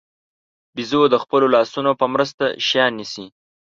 بیزو د خپلو لاسونو په مرسته شیان نیسي.